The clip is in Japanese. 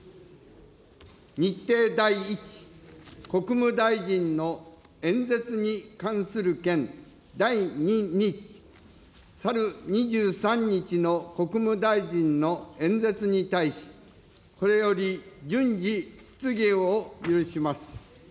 日程第１、国務大臣の演説に関する件、第２日、去る２３日の国務大臣の演説に対し、これより順次、質疑を許します。